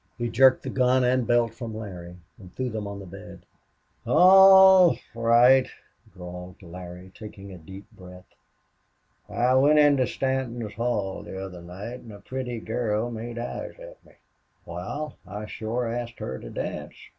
He jerked the gun and belt from Larry, and threw them on the bed. "All right," drawled Larry, taking a deep breath. "I went into Stanton's hall the other night, an' a pretty girl made eyes at me. Wal, I shore asked her to dance.